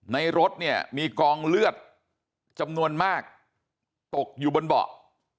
รถเนี่ยมีกองเลือดจำนวนมากตกอยู่บนเบาะ